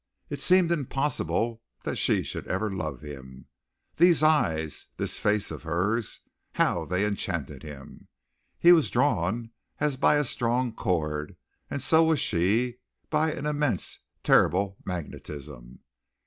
It seemed impossible that she should ever love him. These eyes, this face of hers how they enchanted him! He was drawn as by a strong cord, and so was she by an immense, terrible magnetism.